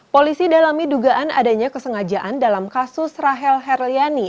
polisi dalami dugaan adanya kesengajaan dalam kasus rahel herliani